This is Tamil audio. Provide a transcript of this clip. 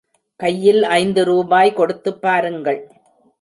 கையில் ஐந்து ரூபாய் கொடுத்துப் பாருங்கள்.